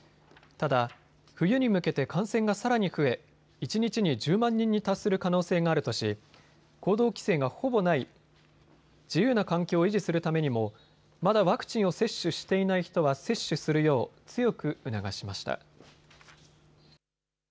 ただ、冬に向けて感染がさらに増え一日に１０万人に達する可能性があるとして行動規制がほぼない自由な環境を維持するためにもまだワクチンを接種していない人は接種するよう強く促しました。